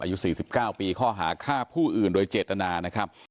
อายุ๔๙ปีข้อหาฆ่าผู้อื่นโดยเจตนานะครับ